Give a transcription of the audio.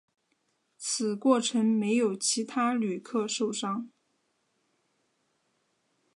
此过程没有其他旅客受伤。